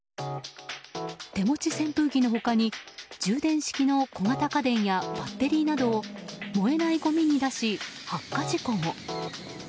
手持ち扇風機の他に充電式の小型家電やバッテリーなどを燃えないごみに出し、発火事故も。